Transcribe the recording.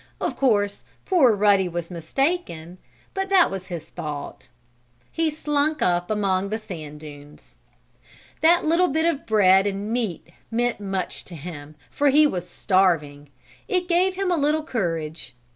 Of course poor Ruddy was mistaken, but that was his thought. He slunk up among the sand dunes. That little bit of bread and meat meant much to him, for he was starving. It gave him a little courage.